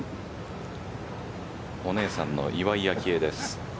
お姉さんの岩井明愛です。